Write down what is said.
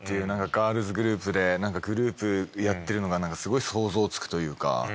なんかガールズグループでグループやってるのがなんかすごい想像つくというか。